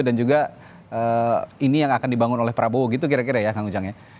dan juga ini yang akan dibangun oleh prabowo gitu kira kira ya kang ujang ya